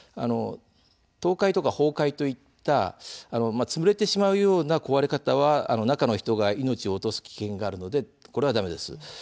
倒壊とか崩壊といった潰れてしまうような壊れ方は中の人が命を落とす危険があるので、だめです。